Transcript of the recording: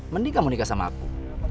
mending kamu menikah sama aku